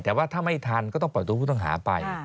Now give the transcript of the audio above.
แต่ว่าถ้าไม่ทันก็ต้องปล่อยตัวผู้ต้องหาไป